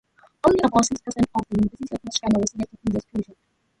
Only about six percent of the Universities across China were selected in this project.